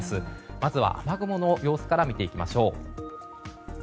まず雨雲の様子から見ていきましょう。